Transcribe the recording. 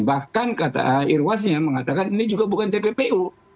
bahkan kata irwasnya mengatakan ini juga bukan tppu